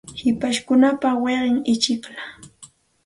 Hipashkunapa wiqawnin ichikllam.